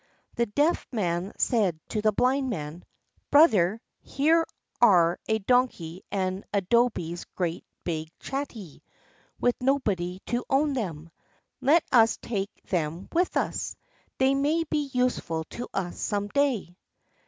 The Deaf Man said to the Blind Man: "Brother, here are a Donkey and a Dhobee's great big chattee, with nobody to own them! Let us take them with us—they may be useful to us some day."